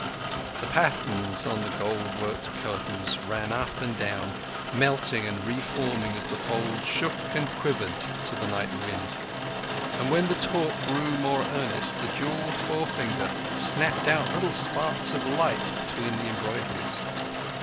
The patterns on the gold worked curtains ran up and down, melting and reforming as the folds shook and quivered to the night wind; and when the talk grew more earnest the jewelled forefinger snapped out little sparks of light between the embroideries.